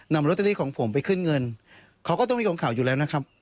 โรตเตอรี่ของผมไปขึ้นเงินเขาก็ต้องมีของข่าวอยู่แล้วนะครับ